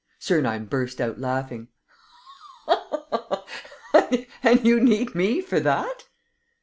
Sernine burst out laughing: "And you need me for that?"